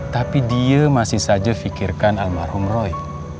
tapi dia masih saja fikirkan almarhum roy